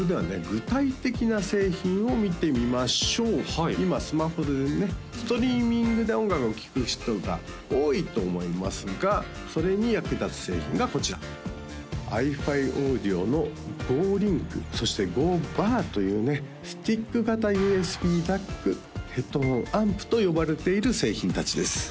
具体的な製品を見てみましょう今スマホでねストリーミングで音楽を聴く人が多いと思いますがそれに役立つ製品がこちらｉＦｉＡｕｄｉｏのＧｏｌｉｎｋそしてＧｏｂａｒというねスティック型ＵＳＢ−ＤＡＣヘッドフォンアンプと呼ばれている製品達です